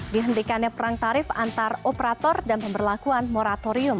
dihentikannya perang tarif antar operator dan pemberlakuan moratorium